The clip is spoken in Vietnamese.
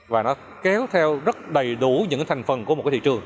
và nó kéo theo rất đầy đủ những thành phần của một cái thị trường